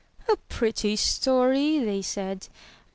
'*A pretty story!" they said.